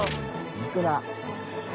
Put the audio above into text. いくら？